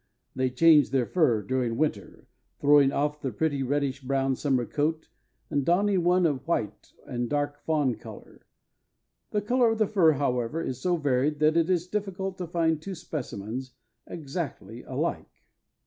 They change their fur during winter, throwing off the pretty reddish brown summer coat, and donning one of white and dark fawn color. The color of the fur, however, is so varied that it is difficult to find two specimens exactly alike. [Illustration: HUNTING FOR SUPPER.